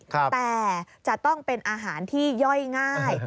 แต่จะต้องเป็นอาหารที่ย่อยง่าย